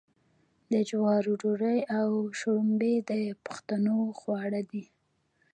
د جوارو ډوډۍ او شړومبې د پښتنو خواړه دي.